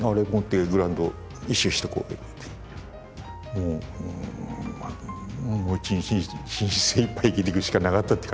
もう一日一日精いっぱい生きてくしかなかったって感じですけどね。